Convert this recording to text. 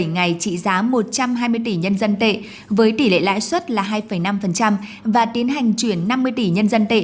bảy ngày trị giá một trăm hai mươi tỷ nhân dân tệ với tỷ lệ lãi suất là hai năm và tiến hành chuyển năm mươi tỷ nhân dân tệ